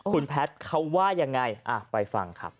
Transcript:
คุณแพทย์เขาว่ายังไงไปฟังครับ